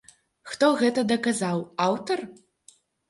Хто гэта даказаў, аўтар?